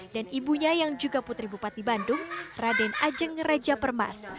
ibunya yang juga putri bupati bandung raden ajeng raja permas